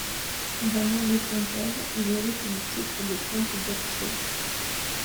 À la mort de son père, il hérite du titre de comte d'Apcher.